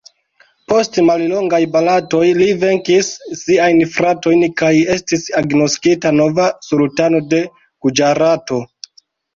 Post mallongaj bataloj li venkis siajn fratojn kaj estis agnoskita nova sultano de Guĝarato.